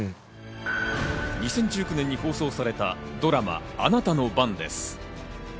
２０１９年に放送されたドラマ『あなたの番です』。